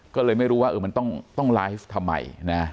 ก็เลยไม่รู้ว่ามันต้องไลฟ์ทำไมนะ